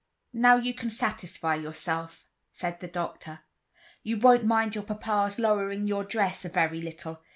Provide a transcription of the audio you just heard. "Now you can satisfy yourself," said the doctor. "You won't mind your papa's lowering your dress a very little.